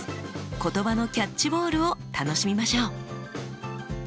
言葉のキャッチボールを楽しみましょう。